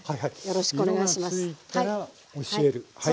よろしくお願いします。